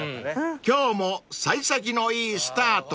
［今日も幸先のいいスタート］